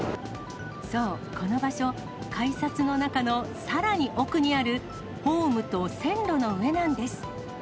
そう、この場所、改札の中のさらに奥にある、ホームと線路の上なんです。